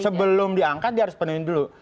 sebelum diangkat harus di penuhi dulu